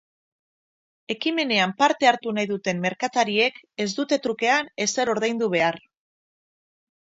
Ekimenean parte hartu nahi duten merkatariek ez dute trukean ezer ordaindu behar.